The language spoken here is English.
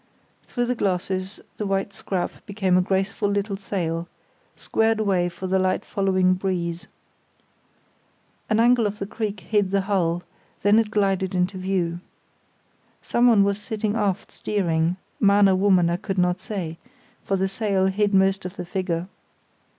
Through the glasses the white scrap became a graceful little sail, squared away for the light following breeze. An angle of the creek hid the hull, then it glided into view. Someone was sitting aft steering, man or woman I could not say, for the sail hid most of the figure.